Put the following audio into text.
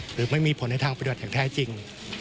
หรือไม่มีผลในทางปฏิบัติอย่างแท้จริง